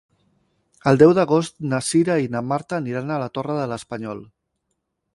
El deu d'agost na Cira i na Marta aniran a la Torre de l'Espanyol.